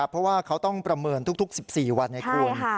เพราะว่าเขาต้องประเมินทุก๑๔วันให้คุณ